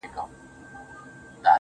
• وي د غم اوږدې كوڅې په خامـوشۍ كي.